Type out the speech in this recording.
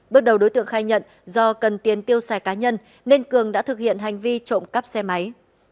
bước đầu đối tượng khai nhận do cần tiền tiêu xài cá nhân nên cường đã thực hiện hành vi trộm cắp xe máy